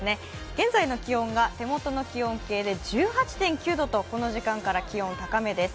現在の気温が手元の気温計で１８．９度と高めです、この時間から気温、高めです。